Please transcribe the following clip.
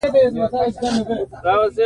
دې کتاب ژر نړیوال شهرت وموند.